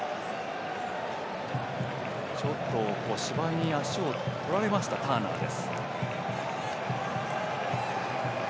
ちょっと芝に足をとられましたターナーです。